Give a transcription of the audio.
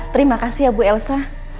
terima kasih ya bu elsa